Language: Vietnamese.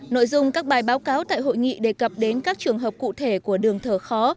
nội dung các bài báo cáo tại hội nghị đề cập đến các trường hợp cụ thể của đường thở khó